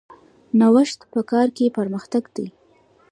نوښت په کار کې پرمختګ دی